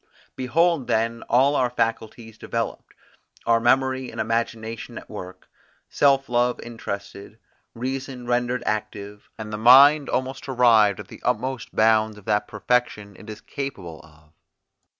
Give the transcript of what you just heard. Behold then all our faculties developed; our memory and imagination at work, self love interested; reason rendered active; and the mind almost arrived at the utmost bounds of that perfection it is capable of.